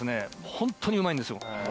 ホントにうまいんですよ。